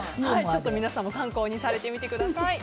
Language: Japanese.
皆さんも参考にされてみてください。